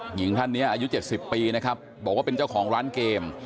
หญิงท่านนี้อายุ๗๐ปีนะครับบอกว่าเป็นเจ้าของร้านเกม